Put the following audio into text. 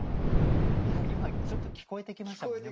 ちょっと聞こえてきましたもんね。